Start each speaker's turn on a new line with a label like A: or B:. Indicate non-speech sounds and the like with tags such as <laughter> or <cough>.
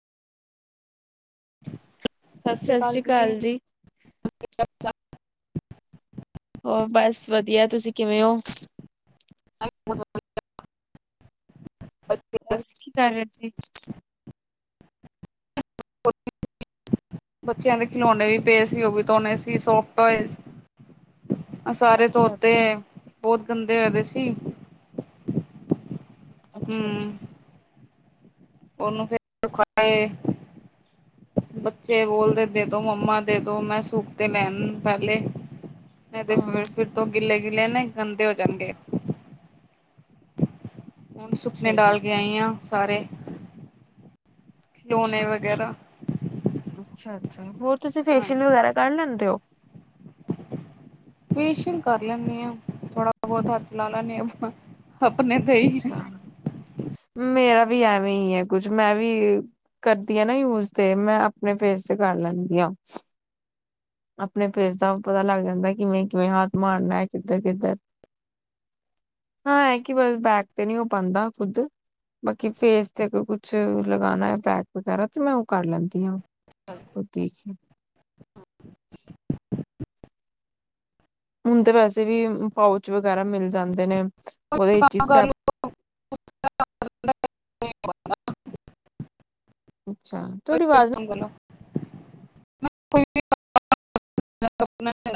A: ਸਤਿ ਸ੍ਰੀ ਅਕਾਲ ਜੀ
B: ਹੋਰ ਬਸ ਵਧੀਆ ਤੁਸੀਂ ਕਿਵੇਂ ਹੋ
A: ਮੁ <inaudible>
B: ਹੋਰ ਕੀ ਕਰ ਰਹੇ ਸੀ
A: ਬੱਚਿਆਂ ਦੇ ਖਿਲੌਣੇ ਵੀ ਪਏ ਸੀ ਉਹ ਵੀ ਧੋਣੇ ਸੀ ਸੋਫਟ ਟਇਜ਼ ਅ ਸਾਰੇ
B: ਅੱਛਾ
A: ਧੋਤੇ
B: ਅੱਛਾ,
A: ਬਹੁਤ ਗੰਦੇ ਹੋਏ ਪਏ ਸੀ ਤੀ
B: ਅੱਛਾ- ਅੱਛਾ
A: ਉਹਨੂੰ ਫਿਰ ਖੁਆਏ ਬੱਚੇ ਬੋਲਦੇ ਦੇ ਦੋ ਮੰਮਾ ਦੇ ਦੋ ਮੈਂ ਸੂਖ ਤੇ ਲੈਣ ਪਹਿਲੇ ਨਹੀਂ ਤੇ
B: ਹਾਂ।
A: ਫਿਰ, ਫਿਰ ਤੋਂ ਗਿੱਲੇ ਗਿਲੇ ਨੇ ਗੰਦੇ ਹੋ ਜਾਣਗੇ ਹੁਣ ਸੁਖਣੇ
B: ਸਹੀ ਗੱਲ
A: ਡਾਲ ਕੇ
B: ਹੈ।
A: ਆਈ ਆ ਸਾਰੇ ਖਿਲੋਣੇ
B: ਅੱਛਾ
A: ਵਗੈਰਾ
B: ਅੱਛਾ, ਹੋਰ ਤੁਸੀਂ ਫੇਸ਼ੀਅਲ
A: ਹਾਂਜੀ
B: ਵਗੈਰਾ ਕਰ ਲੈਂਦੇ ਹੋ
A: ਫੇਸੀ਼ਅਲ ਕਰ ਲੈਂਨੀ ਆ ਥੋੜਾ ਬਹੁਤ ਹੱਥ ਲਾ ਲੈਂਦੇ ਹਾਂ
B: ਅੱਛਾ ਮੇਰਾ ਵੀ ਆ ਹੈ ਕੁਛ ਮੈਂ ਵੀ ਕਰਦੀ ਹਾਂ ਨਾ ਯੂਜ ਤੇ ਮੈਂ ਆਪਣੇ ਫੇਸ ਤੇ ਕਰ ਲੈਂਦੀ ਹਾਂ ਆਪਣੇ ਫੇਸ ਦਾ ਪਤਾ ਲੱਗ ਜਾਂਦਾ ਕਿਵੇਂ ਕਿਵੇਂ ਹੱਥ ਮਾਰਨਾ ਹੈ ਕਿੱਧਰ ਕਿੱਧਰ ਹਾਂ ਇਹ ਕਿ ਬਸ ਬੈਕ ਤੇ ਨਹੀਂ ਹੋ ਪਾਉਂਦਾ ਖੁੱਦ ਬਾਕੀ ਫੇਸ ਤੇ ਅਗਰ ਕੁਛ ਲਗਾਉਣਾ ਹੈ ਪੈਕ ਵਗੈਰਾ ਤੇ ਮੈਂ ਉਹ ਕਰ ਲੈਂਦੀ ਹਾਂ <unintelligible> ਹੁਣ ਤੇ ਵੈਸੇ ਵੀ ਪਾਊਚ ਵਗੈਰਾ ਮਿਲ ਜਾਂਦੇ ਨੇ
A: ਕੋਈ
B: ਉਹਦੇ ਚ ਹੀ
A: ਕੰਮ ਕਰ
B: ਸਟੈਪ
A: ਲਓ ਕੋਈ ਕੰਮ
B: ਅੱਛਾ ਤੁਹਾਡੀ ਆਵਾਜ਼
A: <inaudible>